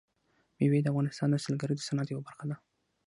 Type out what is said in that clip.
مېوې د افغانستان د سیلګرۍ د صنعت یوه برخه ده.